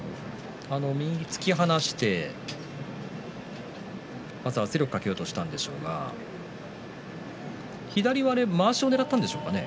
右突き放して圧力をかけようとしたんですが左はまわしをねらったんでしょうか。